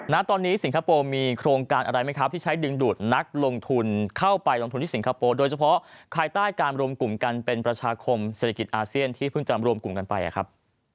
ณตอนนี้สิงคโปร์มีโครงการอะไรไหมครับที่ใช้ดึงดูดนักลงทุนเข้าไปลงทุนที่สิงคโปร์โดยเฉพาะภายใต้การรวมกลุ่มกันเป็นประชาคมเศรษฐกิจอาเซียนที่เพิ่งจะรวมกลุ่มกันไปครับ